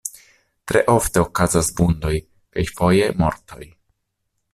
Tre ofte okazas vundoj kaj foje mortoj.